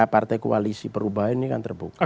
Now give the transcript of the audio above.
partai koalisi perubahan ini kan terbuka